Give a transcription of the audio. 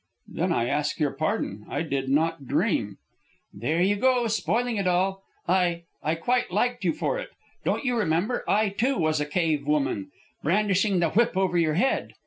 "Then I ask your pardon. I did not dream " "There you go, spoiling it all! I I quite liked you for it. Don't you remember, I, too, was a cave woman, brandishing the whip over your head?